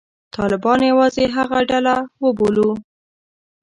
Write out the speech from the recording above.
طالبان یوازې هغه ډله وبولو.